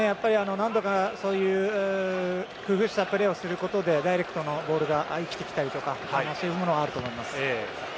何度か、そういう工夫したプレーをすることでダイレクトなボールが生きてきたりそういうものはあると思います。